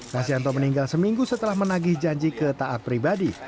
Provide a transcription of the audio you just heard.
nasianto meninggal seminggu setelah menagih janji ke taat pribadi